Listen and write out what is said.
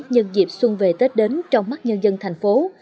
nhân dịp xuân về tết đến trong mắt nhân dân thành phố